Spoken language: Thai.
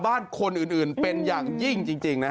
ภาษาแรกที่สุดท้าย